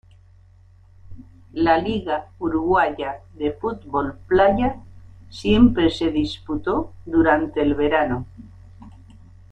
La liga uruguaya de fútbol playa siempre se disputó durante el verano.